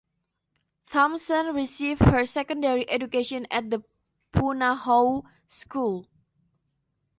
Thompson received her secondary education at the Punahou School.